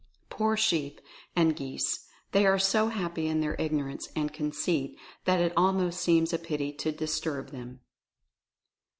Poor sheep, and geese, they are so happy in their ignorance and conceit that it almost seems a pity to disturb them.